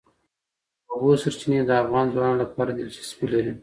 د اوبو سرچینې د افغان ځوانانو لپاره دلچسپي لري.